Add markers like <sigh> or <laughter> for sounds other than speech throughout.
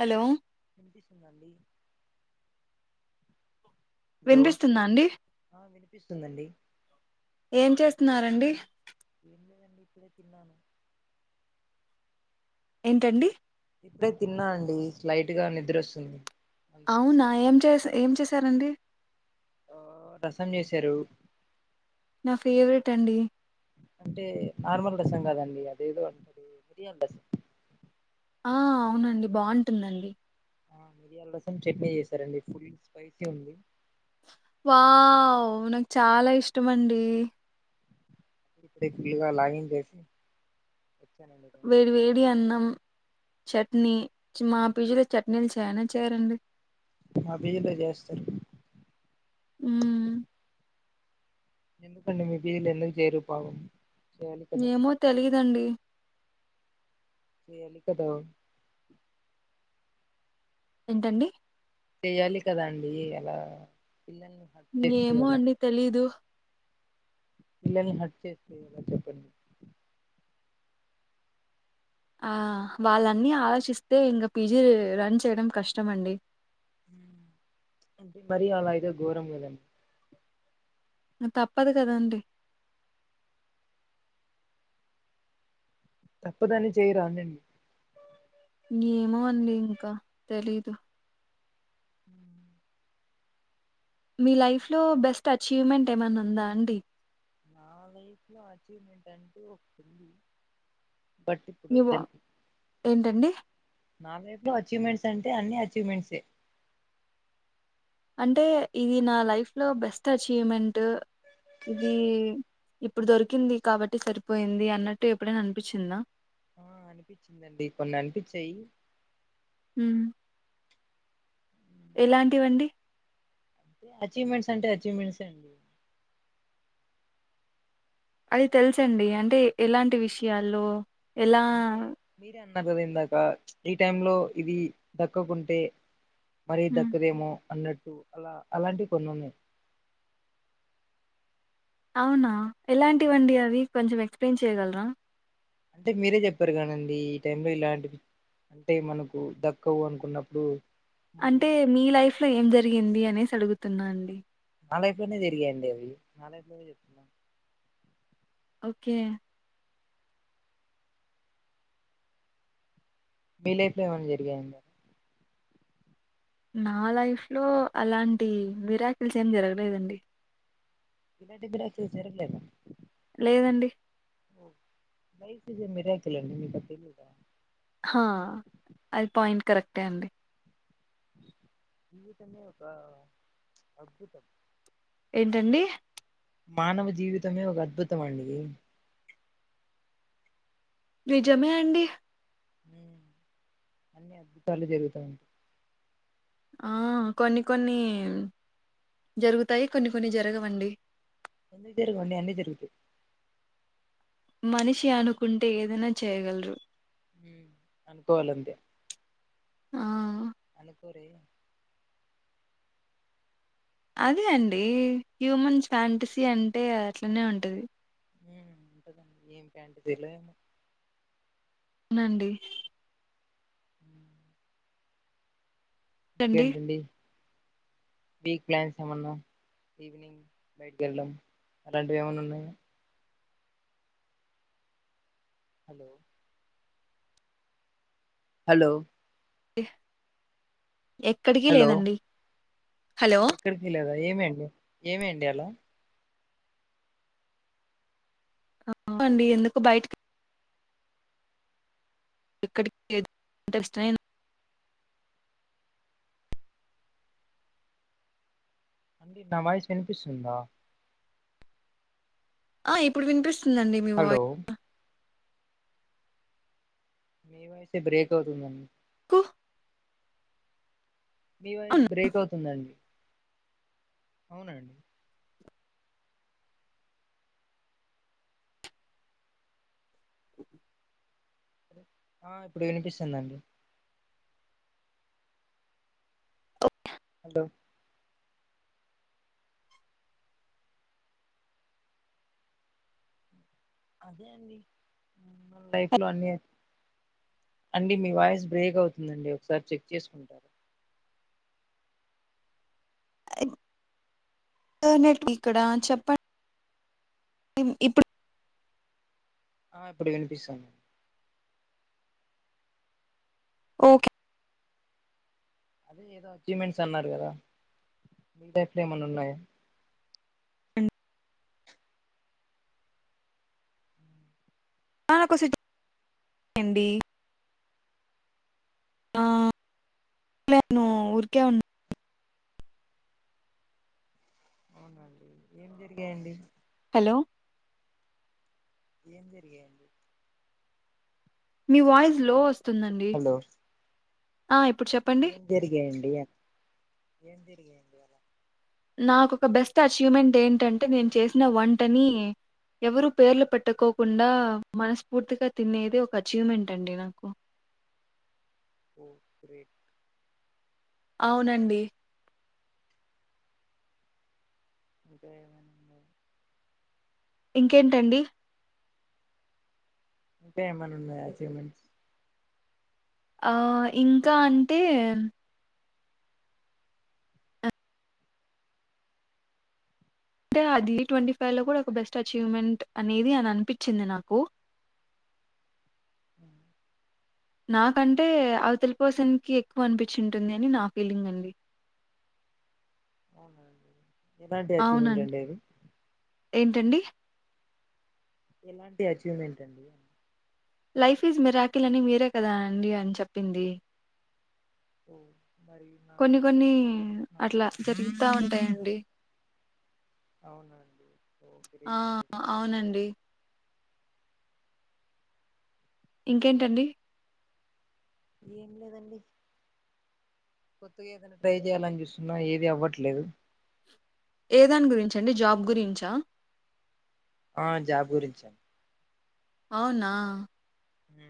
Hello ఏదిసున్నాలి. Hello వినిపిస్తుందా అండి ఆ వినిపిస్తుందండి ఏం చేస్తున్నారండి. ఏం లేదండి ఇప్పుడే తిన్నాను. ఏంటండి. ఇప్పుడే తిన్నా అండి లైట్ గా నిద్రొస్తుంది. అవునా ఏం చేస ఏం చేసారండి. ఆహ్ రసం చేసారు. నా ఫేవరెట్ అండి. అంటే నార్మల్ రసం కాదండి అదేదో అంటది మిర్యాల రసం. ఆహ్ అవునండి బాగుంటుందండి. ఆహ్ మిరియాల రసం చట్నీ చేసారండి ఫుల్ స్పైసీ ఉంది. వావ్ నాకు చాలా ఇష్టము అండి. ఇప్పుడే ఫుల్లుగా లాగించెసి. వేడి వేడి అన్నం చట్నీ మా పిల్లలు చట్నీ. నేను చెయనా చేయరండి. మా పిజీలో చేస్తారు. మ్మ్ ఎందుకు అండి మీరు <unintelligible> ఎందుకు చేయరు పాపం. చేయాలి కదా ఏమో తెలిదండి. చేయాలి కదా. ఏంటండి. చెయాలి కదా అండి అలా. పిల్లల్ని హర్ట్ చేస్తే ఏమో అండి తెలీదు. పిల్లని హట్ చేస్తుండ్ర చెప్పండి. ఆహ్ వాళ్ళన్నీ ఆలోచిస్తే ఇంకా పీజీ రన్ చేయడం కష్టము అండి. ఉమ్ వరి అదైతే ఘోరం కాదండి. తప్పదు కదాండి. తప్పదని చెయ్యరా అండి మీరు. ఏమో అండి ఇంకా తెలీదు. ఉమ్. మీ లైఫ్ లో బెస్ట్ అచీవ్మెంట్ ఏమైనా ఉందా అండి. నా లైఫ్ లో అచీవ్మెంట్ అంటు ఒకటుంది. నువ్వ ఏంటండి. నా లైఫ్ లో అచీవ్మెంట్స్ అంటే అన్ని అచీవ్మెంట్సే. అంటే ఇది నా లైఫ్ లో బెస్ట్ అచీవ్మెంట్. ఆహ్ ఇది ఇప్పుడు దొరికింది కాబట్టి సరి. పోయింది అన్నట్టు ఎప్పుడైనా అనిపించింద. ఆహా అనిపించిందండి కొన్ని అనిపించాయి. ఉమ్. ఎలాంటివండి. అచీవ్మెంట్స్ అంటే అచీవ్మెంట్సే అండి. అది తెలుసండి అంటే ఎలాంటి విషయాల్లో. ఎలా అంటే మీరే అన్న. అన్నావ్ కద ఇందాక ప్చ్ ఈ టైం లో ఇది పక్కకుంటే. మరీ హ్మ్. దక్కదేమో అన్నట్టు అలా అలాంటివి కొన్నీ ఉన్నాయి. అవునా ఎలాంటివండి అవి కొంచెం ఎక్స్ప్లెయిన్ చేయగలర? ఇంతకి మీరే చెప్పారు కదండి ఈ టైమ్ లో ఇలాంటివి అంటే మనకు దక్కవు అనుకున్నప్పుడు మరి అంటే మీ లైఫ్ లో ఏం జరిగింది అనేసి అడుగుతున్న అండి? నాలైఫ్ లోనే జరిగాయండి అవి నాలైఫ్లో నే ఓకే మీలైఫ్లో ఏమన్నా జరిగాయండి అవి? నా లైఫ్ లో అలాంటి మీరాకిల్స్ ఏం జరగలేదండి. ఇలాంటిది అసలు జరగలేదుగా లేదండి మీకు జరిగిన మిరాకిల్ అండి మీకు అది తెలీదా? హ అది పాయింట్ కరెక్టే అండి. జీవితమే ఒక ప్చ్ అద్భుతం ఏంటండి మానవ జీవితమె ఒక అద్భుతం అండి నిజమే అండి అన్ని అద్భుతాలే జరుగుతాయిలెండి. ఆ కొన్ని కొన్ని జరుగుతాయి. కొన్ని కొన్ని జరగవండి. ఎందుకు జరగవండి అన్నీ జరుగుతాయి. మనిషి అనుకుంటే ఏదైన చేయగలరు. అనుకోవలంతే ఆ అనుకోరే అదే అండి హ్యూమన్ ఫ్యాంటసీ అంటే అట్లానే ఉంటది. ఉమ్ ఉంటదండి ఏం ప్యాంటసీలో ఏమో నండి హ్మ్. ఏంటండి? ఇంకేంటండి వీక్ ప్లాన్స్ ఏమన్న ఈవినింగ్ బయటకిళ్ళడం అలాంటివి ఏమైన్నా ఉన్నయా? హలో హలొ హ్ ఎక్కడికి హలో లేదండి హలో! ఎక్కడికి లేదా ఏమండి ఏమిండి అలా అవుండి ఎందుకు బయటికి ఇక్కడికి ఇంటెస్ట్ అండి నా వాయిసు వినిపిస్తుందా? ఆ ఇప్పుడు వినిపిస్తుందిండి మీ హలో వాయిస్ ఏమైంది బ్రేక్ అవుతుందిందండి కు మీ వాయిస్ అవునా! బ్రేక్ అవుతుందండి అవునండి ఆ ఆ ఇప్పుడు వినిపిస్తుందండి హలో అదే అండి లైఫ్ లో అన్ని అండి మీ వాయిస్ బ్రేక్ అవుతుందండి ఒకసారి చెక్ చేసుకుంటారు. నట్ ఇంటర్నెట్ వీక్ ఇక్కడ అని చెప్పండి ఇప్పుడు ఆ ఇప్పుడు వినిపిస్తది ఓకే అదే ఏదో అచీవ్మెంట్స్ అన్నారు కదా మీఫ్ ఏమన్నా ఉన్నాయా అండి. నా కోసడి ఆ నేను ఊరికే ఉన్నా అవునండి ఏం జరిగాయండి హలో ఏం జరిగాయండి మీ వాయిస్ లో వస్తుందండి హలో ఆ ఇప్పుడు చెప్పండి ఏం జరిగయండి ఏం జరిగడి అలా నాకు ఒక బెస్ట్ అచీవ్మెంట్ ఏంటంటే నేను చేసిన వంటని ఎవరు పేర్లు పెట్టుకోకుండా మనస్ఫూర్తిగా తినేది ఒక అచీవ్మెంట్ అండి నాకు ఓ గ్రేట్ అవునండి ఇంకా ఏమైనా ఇంకేంటండి ఇంకా ఏమన్నా ఉన్నాయా అచీవ్మెంట్స్ ఆ ఇంకా అంటే అంటే అది ట్వంటీ ఫైవ్ లో కూడా ఒక బెస్ట్ అచీవ్మెంట్ అనేది అని అనిపించింది నాకు అ నాకంటే అవతల పర్సన్ కి ఎక్కువ అనిపించి ఉంటుంది అని నా ఫీలింగ్ అండి అవునండి ఎలాంటి అచీవ్మెంట్ అవునండి అండి అది ఏంటండి ఎలాంటి అచీవ్మెంట్ అండి లైఫ్ ఈజ్ మిర్కిల్ అని మీరే కదా అండి అని చెప్పింది ఓ మరి నాకు కొన్ని కొన్ని నాకు అట్లా జరుగుతా ఉంటాయండి అవునండి ఓ ఆ గ్రేట్ అండి అవునండి ఇంకేంటండి ఏం లేదండి కొత్తగా ఏదైనా ట్రై చేయాలని చూస్తున్నా ఏది అవ్వట్లేదు ఏదాని గురించండి జాబ్ గురించా ఆ జాబ్ గురించండి అవునా ఉ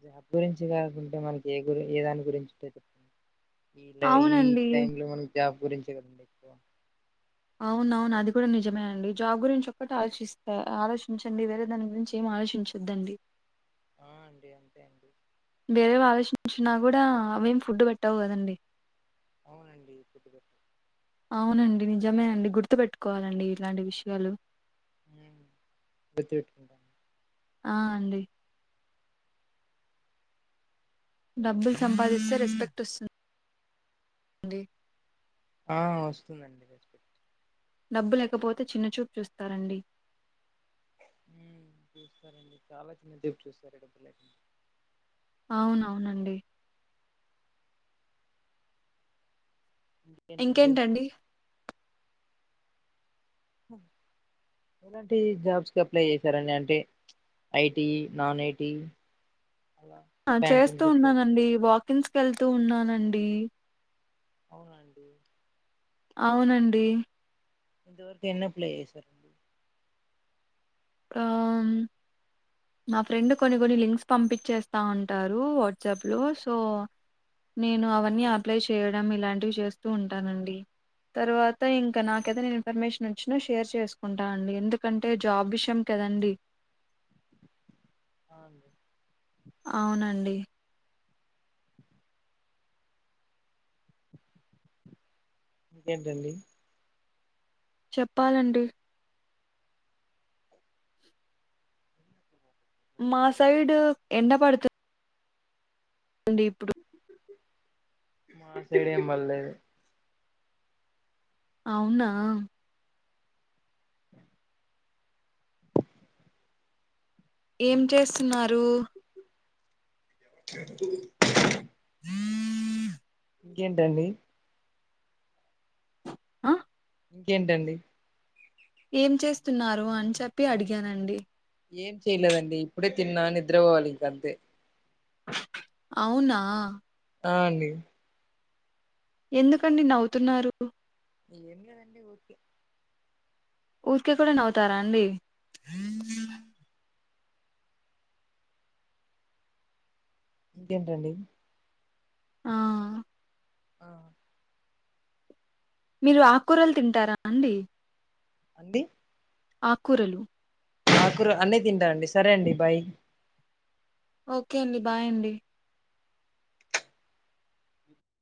జాబ్ గురించి కాకుంటే మనకి ఏ గురి ఏ దాని గురించింటే చెప్ండి ఇలా ఈ అవునండి. టైమ్ లో మనకి జాబ్ గురించి కదండి ఎక్కువ అవున అవును అది కూడా నిజమే అండి జాబ్ గురించి ఒక్కటి ఆలోచిస్తే ఆలోచించండి వేరే దాని గురించి ఏ ఆలోచించొద్దండి ఆ అండి అంతే అండి వేరే ఆలోచనంచిన కూడా అవేం ఫుడ్ పెట్టావు కదండి అవునండి ఫుడ్ పెట్టు అవునండి నిజమేనండి గుర్తుపెట్టుకోవాలండి ఇలాంటి విషయాలు ఉ ప్రతి ఆ అండి డబ్బులు సంపాదిస్తే రెస్పెక్ట్ వస్తుంది ఆ వస్తుందండి డబ్బు లేకపోతే చిన్నచూపు చూస్తారండి హ్మ్ చూస్తారండి చాలా చిన్నచూపు చూస్తారండీ డబ్బు లే అవునవునండి ఇంకేంటండి ఎలాంటి జాబ్స్కి అప్లై చేశారండి అంటే ఐటీ నాన్ ఐటి అలా ఆ బ్యాంకింగ్ చేస్తూ సెక్టర్ ఉన్నానండి వాకింగ్స్కి వెళ్తూ ఉన్నానండి అవునండి అవునండి ఇంతవరకు ఎన్నప్ల చేసారు ఆ మా ఫ్రెండ్ కొన్ని కొన్ని లింక్స్ పంపించేస్తా ఉంటారు వాట్సాప్లో సో నేను అవన్నీ అప్లై చేయడం ఇలాంటివి చేస్తూ ఉంటానండి అవునా తర్వాత ఇంకా నాకైతే నేను ఇన్ఫర్మేషన్ వచ్చినా షేర్ చేసుకుంటాను అండి ఎందుకంటే జాబ్ విష యం కాదండి అ అవునండి ఇంకేంటండి చెప్పాలండి మా సైడ్ ఎండ పడుతు అండి ఇప్పుడు మా సైడ్ ఎం పడలేదు అవునా ఏం చేస్తున్నారు జర్దు ఇంకేంటండి ఆ ఇంకేంటండి ఏం చేస్తున్నారు అని చెప్పి అడిగానండి ఏం చేయలేదండి ఇప్పుడే తిన్నా నిద్ర పోవాలి ఇంకంత అవునా ఆ అండి ఎందుకండి నవ్వుతున్నారు ఏం లేదండి ఊర్కే ఊర్కే కూడా నవ్వుతారా అండి ఇంకేంటండి ఆ ఆ మీరు ఆకూరలు తింటారా అండి అండి అక్కురాలు ఆకురు అన్నీ తింటా అండి సరే అండి బాయ్ ఓకే అండి బాయ్ అండి